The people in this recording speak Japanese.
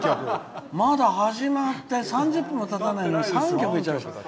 始まって３０分たたないのに３曲やっちゃいました。